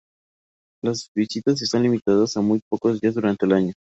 Las visitas están limitadas a muy pocos días durante el año.